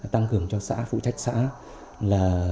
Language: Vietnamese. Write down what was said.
tăng cường cho xã phụ trách xã